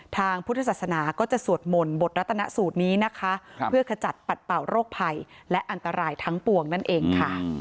ทางพุทธศาสนาก็จะสวดมนต์บทรัฐนสูตรนี้นะคะเพื่อขจัดปัดเป่าโรคภัยและอันตรายทั้งปวงนั่นเองค่ะ